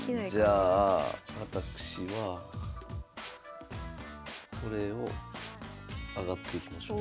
じゃあ私はこれを上がっていきましょう。